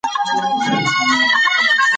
که تاسو غواړئ نو زه به نور معلومات درکړم.